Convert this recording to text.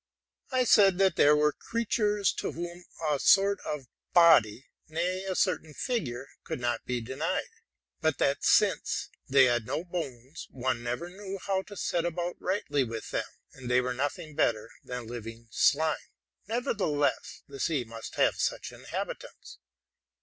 I said that there were creatures to whom a sort of body, nay, a certain figure, could not be denied; but that, since they had no bones, one never knew how to set about rightly with them, and they were nothing better than living slime; nevertheless, the sea must have such inhabitants.